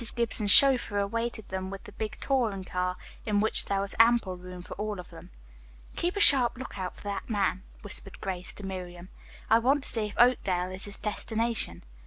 Gibson's chauffeur awaited them with the big touring car, in which there was ample room for all of them. "Keep a sharp lookout for that man," whispered Grace to Miriam. "I want to see if Oakdale is his destination."